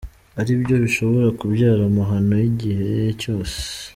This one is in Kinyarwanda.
Aribyo bishobora kubyara amahano igihe cyose.